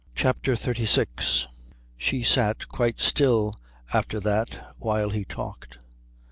CHAPTER XXXVI She sat quite still after that while he talked.